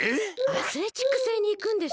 アスレチック星にいくんでしょ？